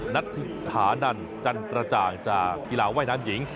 นัทธิผานันจันกระจ่างจากกีฬาว่ายน้ำหญิง